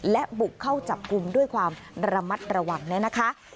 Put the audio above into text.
และบุกเข้าจับกลุ่มด้วยความระมัดระวังเนี่ยนะคะ